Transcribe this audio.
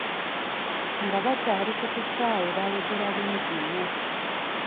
Nga bakyali ku kisaawe baayogera bingi nnyo.